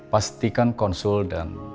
pastikan konsul dan